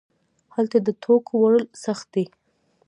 هلته د توکو وړل سخت دي.